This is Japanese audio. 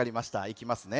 いきますね。